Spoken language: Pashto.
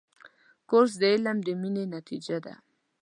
کورس د علم د مینې نتیجه ده.